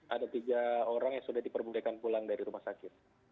ada tiga orang yang sudah diperbolehkan pulang dari rumah sakit